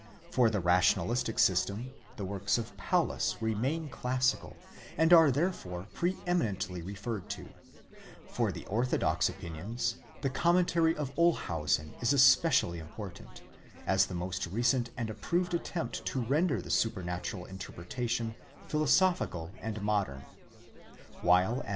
For the rationalistic system the works of Paulus remain classical, and are herefore pre eminently referred to ; for the orthodox opinions, the commentary of Olshausen is especially important, as the most recent and approved attempt Ὁ render the supranatural interpretation philosophical and modern ; while as